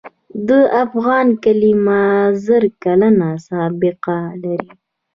د افغان کلمه زر کلنه سابقه لري.